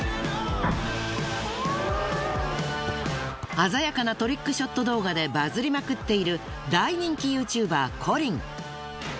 鮮やかなトリックショット動画でバズりまくっている大人気ＹｏｕＴｕｂｅｒコリン。